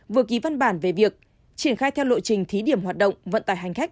vừa ký văn bản về việc triển khai theo lộ trình thí điểm hoạt động vận tải hành khách